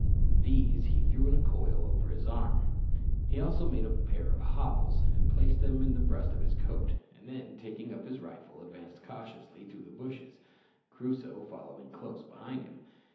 These he threw in a coil over his arm. He also made a pair of hobbles, and placed them in the breast of his coat, and then, taking up his rifle, advanced cautiously through the bushes Crusoe following close behind him.